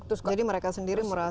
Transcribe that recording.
jadi mereka sendiri merasa